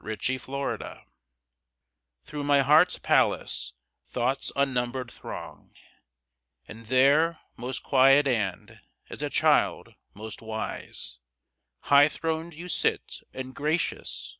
Day and Night Through my heart's palace Thoughts unnumbered throng; And there, most quiet and, as a child, most wise, High throned you sit, and gracious.